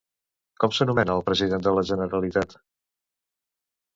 Com s'anomena el president de la Generalitat?